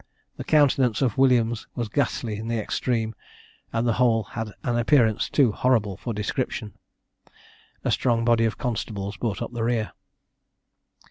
The countenance of Williams was ghastly in the extreme, and the whole had an appearance too horrible for description. A strong body of constables brought up the rear.